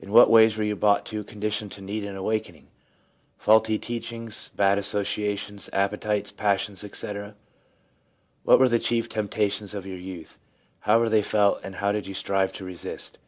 In what ways were you brought to a condition to need an awakening :— faulty teachings, bad associations, appetites, passions, etc.? What were the chief temptations of your youth? How were they felt, and how did you strive to resist